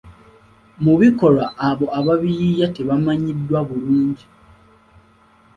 Mu bikolwa abo abaabiyiiya tebamanyiddwa bulungi.